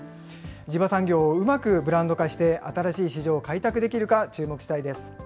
地場産業をうまくブランド化して、新しい市場を開拓できるか注目したいです。